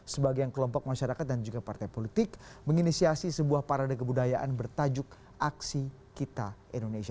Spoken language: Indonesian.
sebagian kelompok masyarakat dan juga partai politik menginisiasi sebuah parade kebudayaan bertajuk aksi kita indonesia